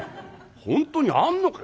「本当にあんのか」。